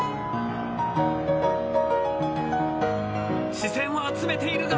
視線は集めているが。